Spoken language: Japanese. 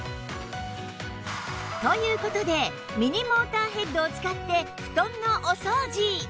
という事でミニモーターヘッドを使って布団のお掃除